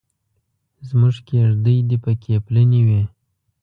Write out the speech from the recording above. زموږ کېږدۍ دې پکې پلنې وي.